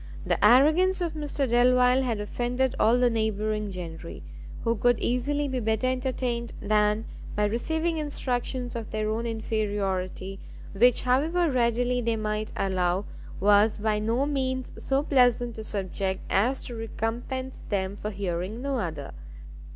The arrogance of Mr Delvile had offended all the neighbouring gentry, who could easily be better entertained than by receiving instructions of their own inferiority, which however readily they might allow, was by no means so pleasant a subject as to recompense them for hearing no other.